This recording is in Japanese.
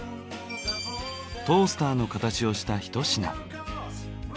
トースターの形をしたひと品。